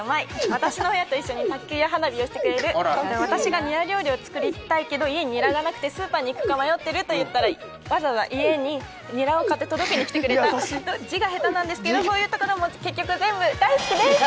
私の親と一緒に卓球や花火をしてくれる私がニラ料理を作りたいけど家にニラがなくてスーパーに行くか迷ってると言ったらわざわざ家にニラを買って届けに来てくれた字が下手なんですけどそういうところも結局全部大好きです！